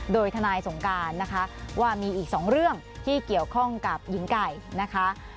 โดยทนายสงการนะคะว่ามีอีก๒เรื่องที่เกี่ยวข้องกับหญิงไก่นะคะ